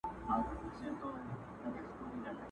له قاصده سره نسته سلامونه!.